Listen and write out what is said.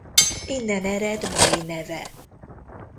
Innen ered mai neve.